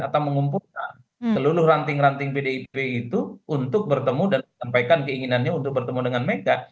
atau mengumpulkan seluruh ranting ranting pdip itu untuk bertemu dan menyampaikan keinginannya untuk bertemu dengan mereka